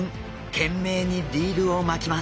懸命にリールを巻きます。